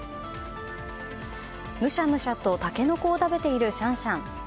むしゃむしゃとタケノコを食べているシャンシャン。